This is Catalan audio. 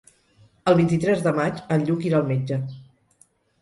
El vint-i-tres de maig en Lluc irà al metge.